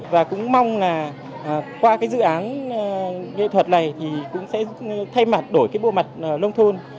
và cũng mong là qua cái dự án nghệ thuật này thì cũng sẽ thay mặt đổi cái bộ mặt nông thôn